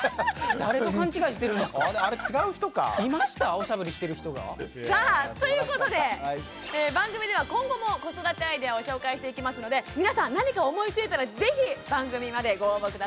おしゃぶりしてる人が？さあということで番組では今後も子育てアイデアを紹介していきますので皆さん何か思いついたら是非番組までご応募下さい。